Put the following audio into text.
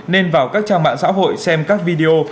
nên vào các trang mạng xã hội xem các video